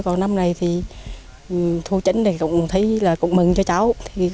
còn năm này thì thu chấn thì cũng thấy là cũng mừng cho cháu